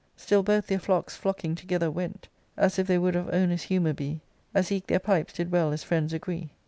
Still both their flocks flocking together went, As if they would of owners' humour be. As eke their pipes did well as friends agree.